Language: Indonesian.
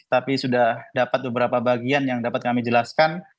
tapi sudah dapat beberapa bagian yang dapat kami jelaskan